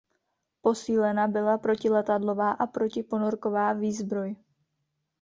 Posílena byla protiletadlová a protiponorková výzbroj.